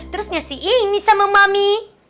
terus ngasih ini sama mami